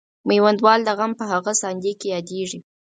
میوندوال د غم په هغه ساندې کې یادیږي.